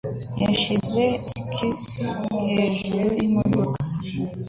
Yashyize skisi hejuru yimodoka.